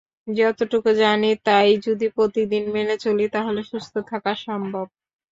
যতটুকু জানি তা-ই যদি প্রতিদিন মেনে চলি, তাহলে সুস্থ থাকা সম্ভব।